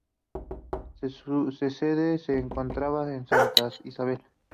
Su sede se encontraba en Santa Isabel.